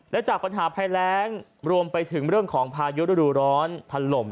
และจากปัญหาพลายแร้งรวมไปถึงเรื่องของพายุร้อนทันลม